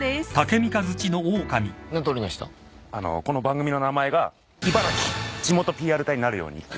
この番組の名前が「茨城ジモトＰＲ隊」になるようにって。